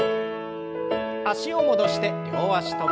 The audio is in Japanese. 脚を戻して両脚跳び。